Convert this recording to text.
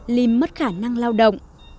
lim mất khả năng lao động